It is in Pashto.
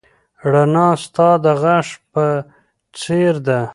رڼا ستا د غږ په څېر ده.